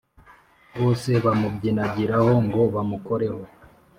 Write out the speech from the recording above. bose bamubyiganiraho ngo bamukoreho